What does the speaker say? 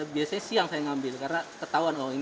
biasanya siang saya ngambil karena ketahuan oh ini siang siang